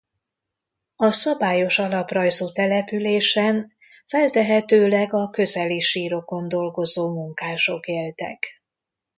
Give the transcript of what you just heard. A szabályos alaprajzú településen feltehetőleg a közeli sírokon dolgozó munkások éltek.